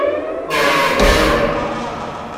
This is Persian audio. آراد